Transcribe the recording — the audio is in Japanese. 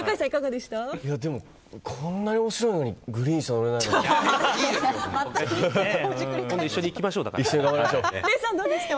でも、こんなに面白いのにグリーン車乗れないなんて。